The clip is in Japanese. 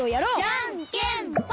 じゃんけんぽん！